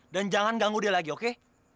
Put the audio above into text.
dan jangan ganggu dia lagi oke